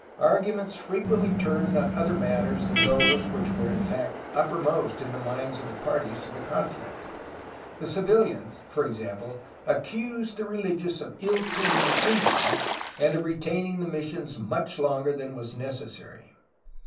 Arguments frequently turned on other matters than those which were in fact uppermost in the minds of the parties to the conflict. The civilians, for example, accused the religious of ill treating the Indians and of retaining the missions much longer than was necessary.